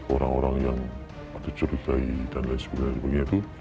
orang orang yang ada curigai dan lain sebagainya itu